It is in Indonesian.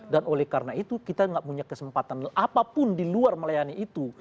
dan oleh karena itu kita gak punya kesempatan apapun di luar melayani itu